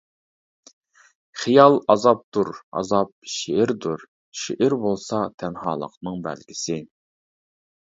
خىيال ئازابتۇر ئازاب شېئىردۇر، شېئىر بولسا تەنھالىقنىڭ بەلگىسى.